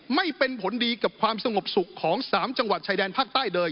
ไม่เป็นผลดีกับความสงบสุขของ๓จังหวัดชายแดนภาคใต้เลย